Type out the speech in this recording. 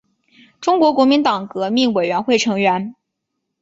中国国民党革命委员会成员。